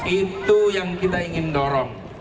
itu yang kita ingin dorong